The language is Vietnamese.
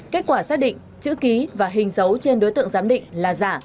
kết quả xác định chữ ký và hình dấu trên đối tượng giám định là giả